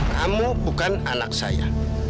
kamu bukan anak saya